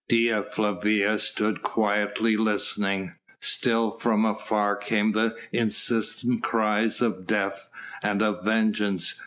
Dea Flavia stood quietly listening. Still from afar came the insistent cries of "Death!" and of "Vengeance!"